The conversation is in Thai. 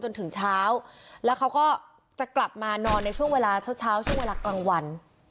จนถึงเช้าแล้วเขาก็จะกลับมานอนในช่วงเวลาเช้าเช้าช่วงเวลากลางวัน